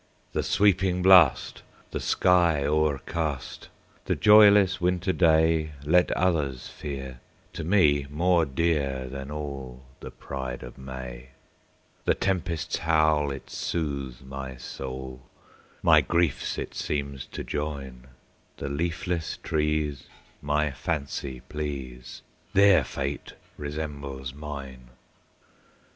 "The sweeping blast, the sky o'ercast,"The joyless winter dayLet others fear, to me more dearThan all the pride of May:The tempest's howl, it soothes my soul, My griefs it seems to join; The leafless trees my fancy please, Their fate resembles mine!